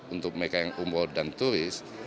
untuk mereka yang umroh dan turis